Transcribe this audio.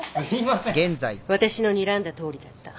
私のにらんだとおりだった。